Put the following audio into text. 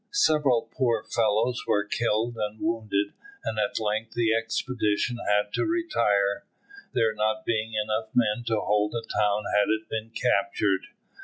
Several poor fellows were killed and wounded, and at length the expedition had to retire, there not being enough men to hold the town had it been captured.